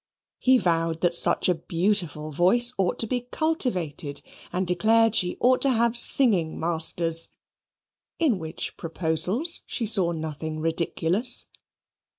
He vowed that such a beautiful voice ought to be cultivated and declared she ought to have singing masters, in which proposals she saw nothing ridiculous.